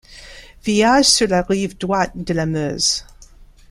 Village sur la rive droite de la Meuse.